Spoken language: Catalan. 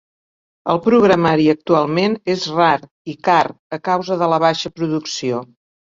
El programari actualment és rar i car a causa de la baixa producció.